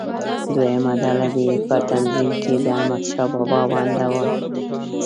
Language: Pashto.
دویمه ډله دې په تنظیم کې د احمدشاه بابا ونډه وڅېړي.